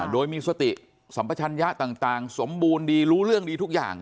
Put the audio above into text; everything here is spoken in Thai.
โดยมีสติสัมปชัญญะต่างสมบูรณ์ดีรู้เรื่องดีทุกอย่าง